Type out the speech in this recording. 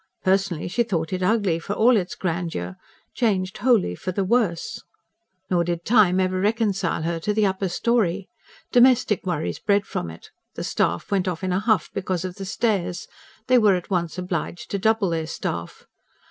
Personally she thought it ugly, for all its grandeur; changed wholly for the worse. Nor did time ever reconcile her to the upper storey. Domestic worries bred from it: the servant went off in a huff because of the stairs; they were at once obliged to double their staff.